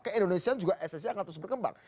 dan indonesia juga esensinya akan terus berkembang